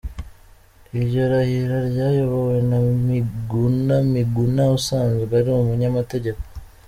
Iryo rahira ryayobowe na Miguna Miguna usanzwe ari umunyamategeko.